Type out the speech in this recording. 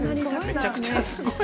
めちゃくちゃすごい。